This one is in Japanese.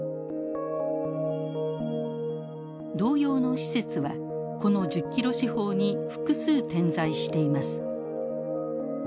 同様の施設はこの１０ｋｍ四方に複数点在しています。